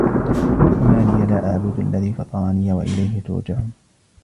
وَمَا لِيَ لَا أَعْبُدُ الَّذِي فَطَرَنِي وَإِلَيْهِ تُرْجَعُونَ